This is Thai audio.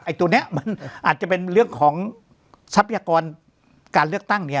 ตัวนี้มันอาจจะเป็นเรื่องของทรัพยากรการเลือกตั้งเนี่ย